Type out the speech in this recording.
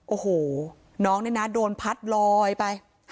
โอ้โหน้องนี่นะโดนพัดลอยไป